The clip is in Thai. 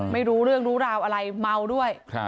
ไม่รู้เรื่องรู้ราวอะไรเมาด้วย